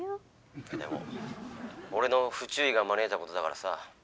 ☎でも俺の不注意が招いたことだからさ。